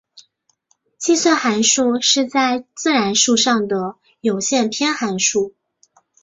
计算函数是在自然数上的有限偏函数。